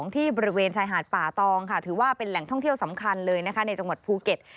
ที่บริเวณชายหาดป่าตองค่ะถือว่าเป็นแหล่งท่องเที่ยวสำคัญเลยนะคะในจังหวัดภูเก็ต